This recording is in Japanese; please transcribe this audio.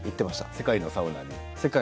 世界のサウナ。